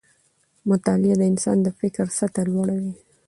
مطالعه د انسان د فکر سطحه لوړه وي